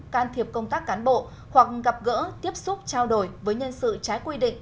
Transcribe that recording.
can thiệp công tác cán bộ hoặc gặp gỡ tiếp xúc trao đổi với nhân sự trái quy định